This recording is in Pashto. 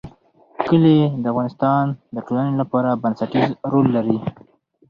کلي د افغانستان د ټولنې لپاره بنسټيز رول لري.